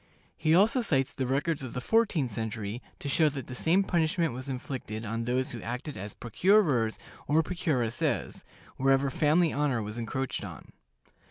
He also cites the records of the fourteenth century to show that the same punishment was inflicted on those who acted as procurers or procuresses, wherever family honor was encroached on.